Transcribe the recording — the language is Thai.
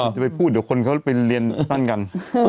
เดี๋ยวไปพูดเดี๋ยวคนเขาไปเรียนกัน